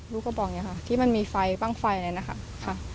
ลูกก็บอกอย่างนี้ค่ะที่มันมีไฟบ้างไฟอะไรนะคะ